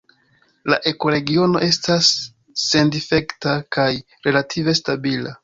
La ekoregiono estas sendifekta kaj relative stabila.